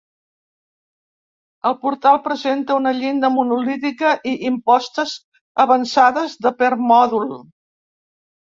El portal presenta una llinda monolítica i impostes avançades de permòdol.